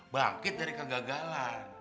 bangkit dari kegagalan